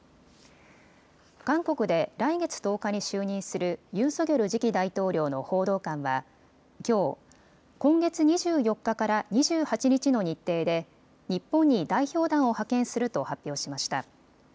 韓国で来月１０日に就任するユン・ソギョル次期大統領の報道官はきょう、今月２４日から２８日の日程で日本に代表団を派遣すると発表しました。